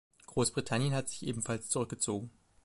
Großbritannien hat sich ebenfalls zurückgezogen.